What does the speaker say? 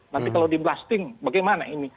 nanti kalau di blasting bagaimana ini